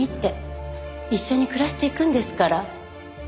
一緒に暮らしていくんですから。